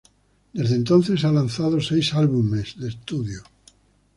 Desde entonces ha lanzado seis álbumes de estudio.